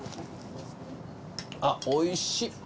あっおいしい。